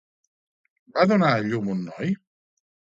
Va donar a llum a un noi?